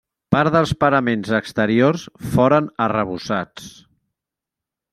Part dels paraments exteriors foren arrebossats.